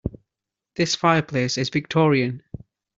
This fireplace is Victorian.